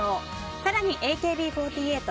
更にＡＫＢ４８